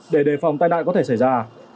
để đề phòng tai nạn có thể xảy ra